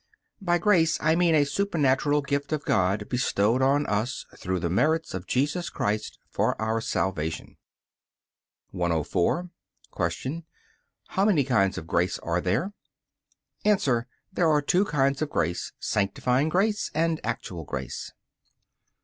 By grace I mean a supernatural gift of God bestowed on us, through the merits of Jesus Christ, for our salvation. 104. Q. How many kinds of grace are there? A. There are two kinds of grace, sanctifying grace and actual grace.